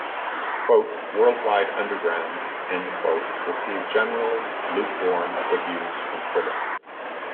"Worldwide Underground" received generally lukewarm reviews from critics.